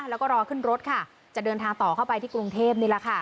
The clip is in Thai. แล้วก็รอขึ้นรถค่ะจะเดินทางต่อเข้าไปที่กรุงเทพนี่แหละค่ะ